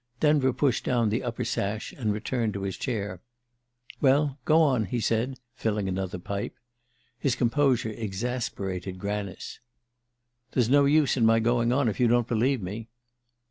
Denver pushed down the upper sash, and returned to his chair. "Well go on," he said, filling another pipe. His composure exasperated Granice. "There's no use in my going on if you don't believe me."